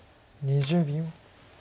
２０秒。